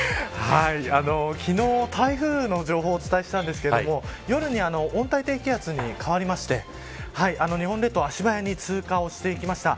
昨日、台風の情報をお伝えしましたが夜に温帯低気圧に変わりまして日本列島足早に通過していきました。